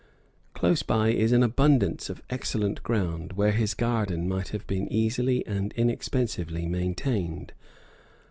Close by is an abundance of excellent ground, where his garden might have been easily and inexpensively maintained.